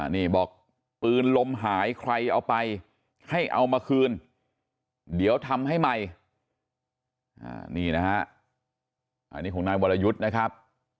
นี่บอกปืนลมหายใครเอาไปให้เอามาคืนเดี๋ยวทำให้ใหม่นี่นะฮะอันนี้ของนายวรยุทธ์นะครับ